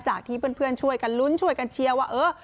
ที่เพื่อนช่วยกันลุ้นช่วยกันเชียร์ว่าเออ